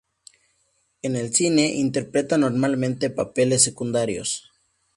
En el cine, interpreta normalmente papeles secundarios.